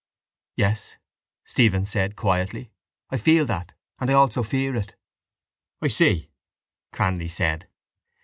—Yes, Stephen said quietly, I feel that and I also fear it. —I see, Cranly said.